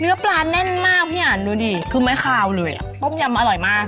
เนื้อปลาแน่นมากพี่อันดูดิคือไม้คาวเลยอ่ะต้มยำอร่อยมาก